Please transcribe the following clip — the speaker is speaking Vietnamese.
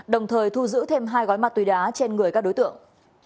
đồng thời thu giữ thêm hai gói ma túy đá trên người các đối tượng